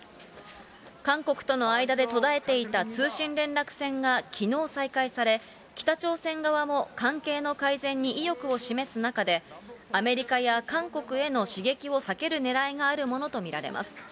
韓国との間で途絶えていた通信連絡線がきのう再開され、北朝鮮側も関係の改善に意欲を示す中で、アメリカや韓国への刺激を避けるねらいがあるものと見られます。